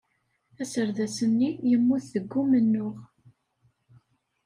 Aserdas-nni yemmut deg umennuɣ.